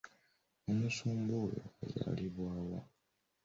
Omusumba oya azaalibwa wa?